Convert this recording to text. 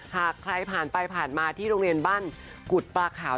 หากใครผ่านไปผ่านมาที่โรงเรียนบ้านกุฎปลาขาว